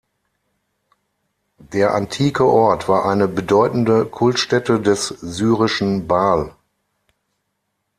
Der antike Ort war eine bedeutende Kultstätte des syrischen Baal.